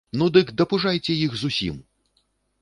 Ну, дык дапужайце іх зусім!